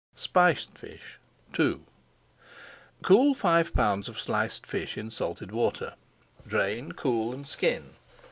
SPICED FISH II Cool five pounds of sliced fish in salted water, drain, cool, and skin.